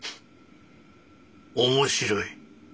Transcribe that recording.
面白い。